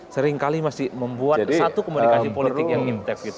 seringkali masih membuat satu komunikasi politik yang intep gitu